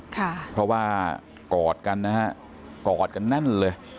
เพราะว่ากอดกันนะฮะกอดกันแน่นเลย